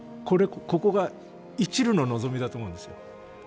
ここが、いちるの望みだと思うんですよ。